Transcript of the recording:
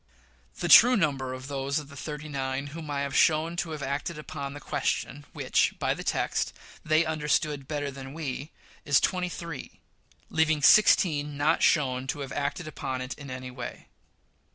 The true number of those of the "thirty nine" whom I have shown to have acted upon the question which, by the text, they understood better than we, is twenty three, leaving sixteen not shown to have acted upon it in any way.